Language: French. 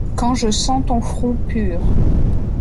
Quand je sens ton front pur…